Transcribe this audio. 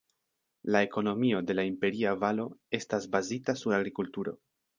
La ekonomio de la Imperia Valo estas bazita sur agrikulturo.